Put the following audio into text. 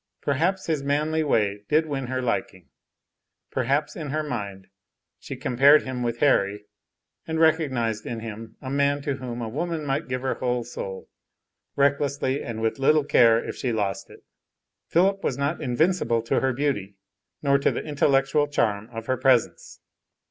Perhaps his manly way did win her liking. Perhaps in her mind, she compared him with Harry, and recognized in him a man to whom a woman might give her whole soul, recklessly and with little care if she lost it. Philip was not invincible to her beauty nor to the intellectual charm of her presence.